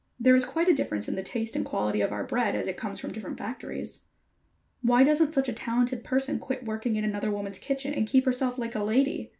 There is quite a difference in the taste and quality of our bread as it comes from different factories." "Why doesn't such a talented person quit working in another woman's kitchen and keep herself like a lady?"